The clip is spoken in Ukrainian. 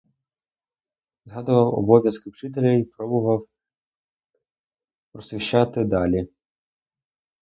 Згадував обов'язки вчителя й пробував просвіщати далі.